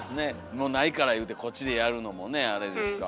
もうないからいうてこっちでやるのもねあれですから。